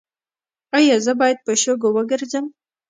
ایا زه باید په شګو وګرځم؟